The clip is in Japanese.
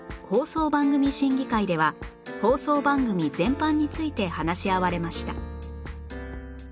放送番組審議会では放送番組全般について話し合われました